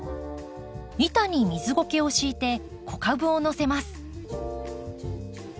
板に水ごけを敷いて子株をのせます。